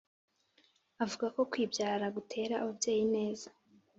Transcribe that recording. avuga ko "kwibyara gutera ababyeyi ineza"